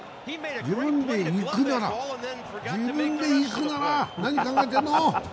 自分で行くなら、自分で行くなら何、考えてるの？